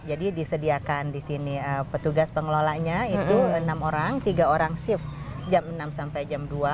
jadi disediakan di sini petugas pengelolanya itu enam orang tiga orang shift jam enam sampai jam dua